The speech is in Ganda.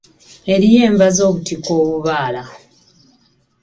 Eriyo enva z'obutiko obubaala.